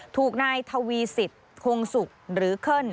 ถูกนายทวีสิตโฆ่งสุกหรือเคิ่ล